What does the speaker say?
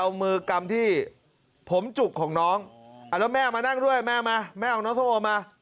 เอามือกำที่ผมจุกของน้องแล้วแม่มานั่งด้วยแม่มาแม่เอาน้องส้มโอมา